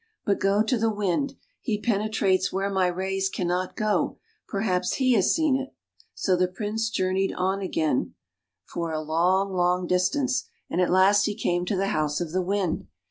But go to the Wind. He penetrates where my rays can not go. Perhaps he has seen it." So the Prince journeyed on again for a [ 145 ] FAVORITE FAIRY TALES RETOLD long, long distance, and at last he came to the house of the Wind.